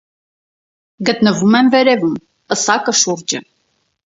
Գտնվում են վերևում՝ պսակը շուրջը։